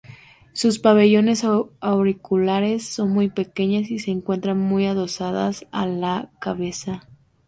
Sus pabellones auriculares, son muy pequeñas y se encuentran muy adosados a la cabeza.